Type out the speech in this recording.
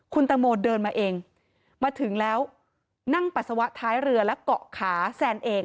คุณตังโมเดินมาเองมาถึงแล้วนั่งปัสสาวะท้ายเรือและเกาะขาแซนเอง